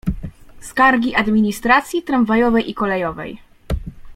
"Skargi administracji tramwajowej i kolejowej."